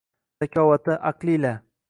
Zakovati, aqli ila